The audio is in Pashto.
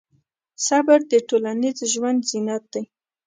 صبر د ټولنیز ژوند زینت دی.